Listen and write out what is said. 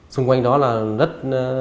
xung quanh đó là rất